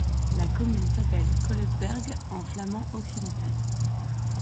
La commune s'appelle Kolesberg en flamand occidental.